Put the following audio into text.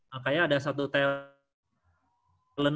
kayaknya ada satu tel